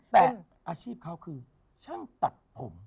แต่อาชีพเขาคือช่างตัดผม